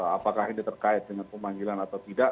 apakah ini terkait dengan pemanggilan atau tidak